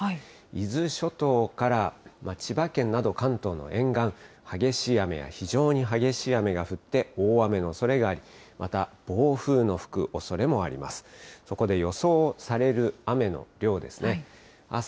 伊豆諸島から千葉県など、関東の沿岸、激しい雨や非常に激しい雨が降って大雨のおそれがあり、また、暴風の吹くおそれもあります。